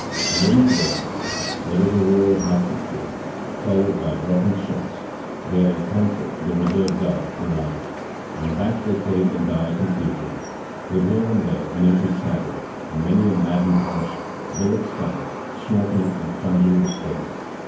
A moment later there was a roar of musketry, followed by dropping shots they had encountered the reserve guard in line; and back they came in dire confusion, with here and there an empty saddle and many a maddened horse, bullet stung, snorting and plunging with pain.